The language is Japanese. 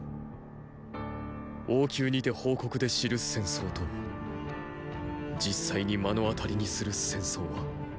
王宮にて報告で知る戦争と実際に目の当たりにする戦争は。